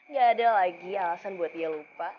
gak ada lagi alasan buat dia lupa